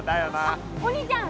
あっお兄ちゃん